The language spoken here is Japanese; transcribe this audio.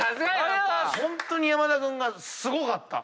ホントに山田君がすごかった！